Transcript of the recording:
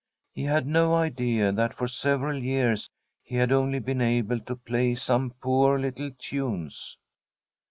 He had no idea that for several years he had only been able to play some poor little tunes.